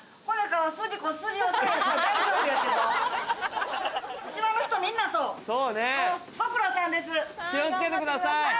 気を付けてください。